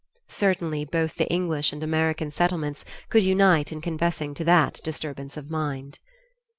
Certainly both the English and American settlements could unite in confessing to that disturbance of mind.